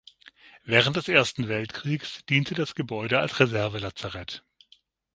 Während des Ersten Weltkriegs diente das Gebäude als Reservelazarett.